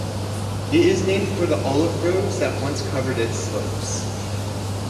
It is named for the olive groves that once covered its slopes.